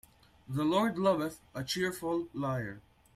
The Lord loveth a cheerful liar.